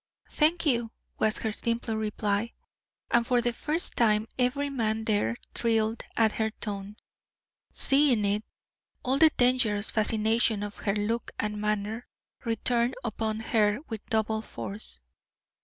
"Thank you," was her simple reply; and for the first time every man there thrilled at her tone. Seeing it, all the dangerous fascination of her look and manner returned upon her with double force.